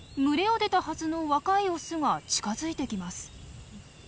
群れを出たはずの若いオスが近づいてきます。